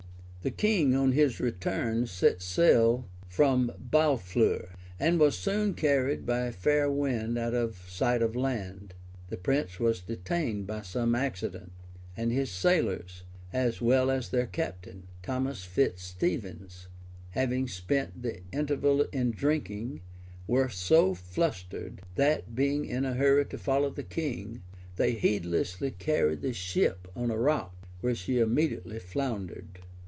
The king, on his return, set sail from Barfleur, and was soon carried by a fair wind out of sight of land. The prince was detained by some accident; and his sailors, as well as their captain, Thomas Fitz Stephens, having spent me interval in drinking, were so flustered, that, being in a hurry to follow the king, they heedlessly carried the ship on a rock, where she immediately foundered.